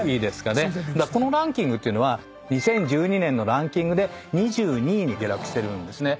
このランキングってのは２０１２年のランキングで２２位に下落してるんですね。